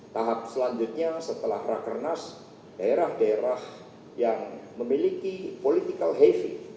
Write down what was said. tahap selanjutnya setelah rakernas daerah daerah yang memiliki political heavy